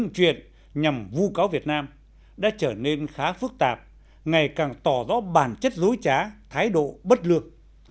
chuyện nhằm vu cáo việt nam đã trở nên khá phức tạp ngày càng tỏ rõ bản chất dối trá thái độ bất lược